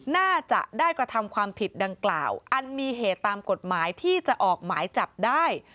น่าจะได้กระทำความผิดดังกล่าวอันมีเหตุตามกฎหมายที่จะออกหมายจับได้